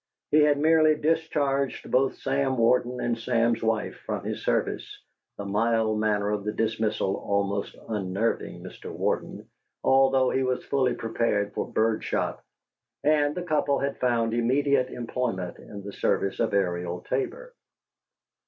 He had merely discharged both Sam Warden and Sam's wife from his service, the mild manner of the dismissal almost unnerving Mr. Warden, although he was fully prepared for bird shot; and the couple had found immediate employment in the service of Ariel Tabor.